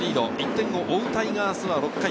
１点を追うタイガースは６回。